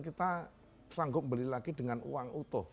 kita sanggup beli lagi dengan uang utuh